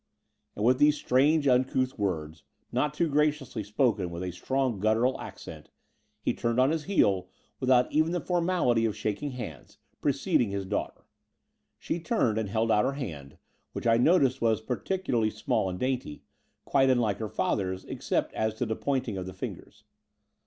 And with these strange uncouth words, not too graciously spoken with a strong guttural accent, he turned on his heel without even the formality of shaking hands, preceding his daughter. She turned and held out her hand, which I noticed was particularly small and dainty — quite unlike her father's, except as to the pointing of the fingers.